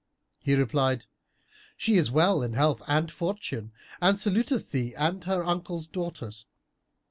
He replied, "She is well in health and fortune, and saluteth thee and her uncle's daughters."